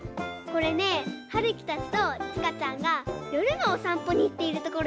これねはるきたちとちかちゃんがよるのおさんぽにいっているところです。